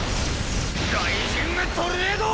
「ライジングトルネード」！